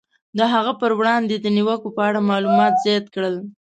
د هغه پر وړاندې د نیوکو په اړه معلومات زیات کړل.